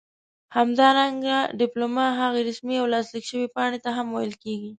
همدارنګه ډيپلوما هغې رسمي او لاسليک شوي پاڼې ته هم ويل کيږي